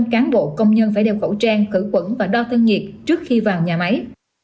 một trăm linh cán bộ công nhân phải đeo khẩu trang cử quẩn và đo thương nhiệt trước khi vào nhà máy